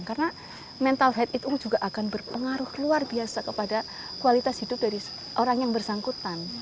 karena mental health itu juga akan berpengaruh luar biasa kepada kualitas hidup dari orang yang bersangkutan